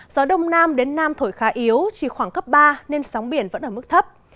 gió đông nam đến nam thổi khá yếu chỉ khoảng cấp ba nên sóng biển vẫn ở mức thấp